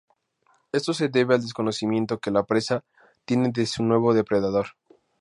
Esto se debe al desconocimiento que la presa tiene de su nuevo depredador.